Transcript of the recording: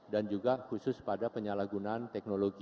dan juga khusus pada penyalahgunaan teknologi